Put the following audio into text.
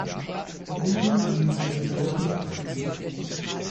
Runde an die Miami Dolphins abgegeben.